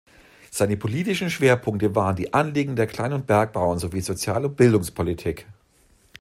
Seine politischen Schwerpunkte waren die Anliegen der Klein- und Bergbauern sowie Sozial- und Bildungspolitik.